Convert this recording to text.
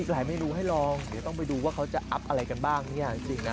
แล้วมีอะไรอีกลองดูสิค่ะ